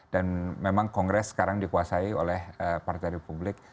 dan memang kongres sekarang dikuasai oleh partai republik